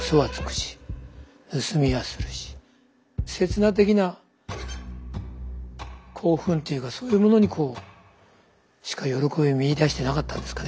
刹那的な興奮というかそういうものにしか喜びを見いだしてなかったんですかね